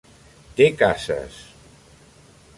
Té cases.